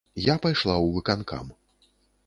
Я пайшла ў выканкам.